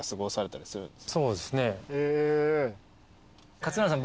勝村さん